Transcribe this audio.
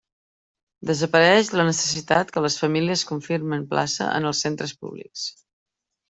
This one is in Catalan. Desapareix la necessitat que les famílies confirmen plaça en els centres públics.